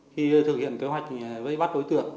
khi thực hiện kế hoạch vây bắt đối tượng